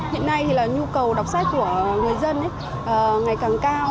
hiện nay thì là nhu cầu đọc sách của người dân ngày càng cao